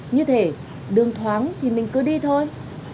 như thế đường thoáng thì mình cứ đi thôi